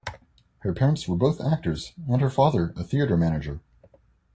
Her parents were both actors and her father a theatre manager.